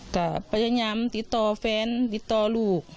ก็พยายามติดต่อแฟนติดต่อลูก